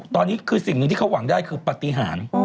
ตอนนี้คือสิ่งหนึ่งที่เขาหวังได้คือปฏิหาร